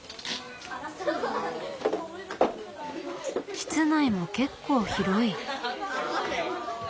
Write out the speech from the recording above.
室内も結構広い。